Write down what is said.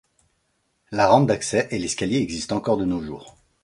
La rampe d'accès et l'escalier existent encore de nos jours.